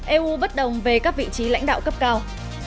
eu bất đồng về các vị trí lãnh đạo cấp cao